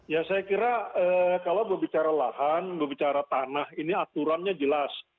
ya saya kira kalau berbicara lahan berbicara tanah ini aturannya jelas